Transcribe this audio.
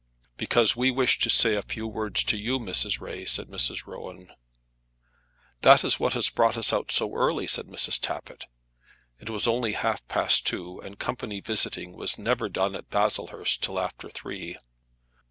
"Because we wish to say a few words to you, Mrs. Ray," said Mrs. Rowan. "That is what has brought us out so early," said Mrs. Tappitt. It was only half past two now, and company visiting was never done at Baslehurst till after three.